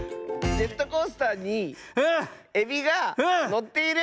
ジェットコースターにエビがのっている？